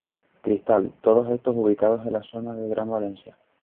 Cristal, todos estos ubicados en la zona de la Gran Valencia.